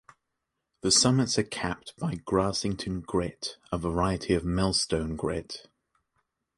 The summits are capped by Grassington Grit, a variety of Millstone Grit.